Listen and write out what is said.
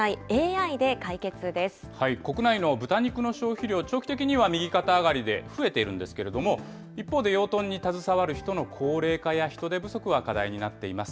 国内の豚肉の消費量、長期的には右肩上がりで増えているんですけれども、一方で養豚に携わる人の高齢化や人手不足は課題になっています。